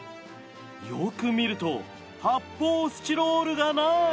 よく見ると発泡スチロールがない。